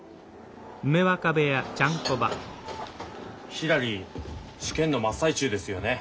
ひらり試験の真っ最中ですよね？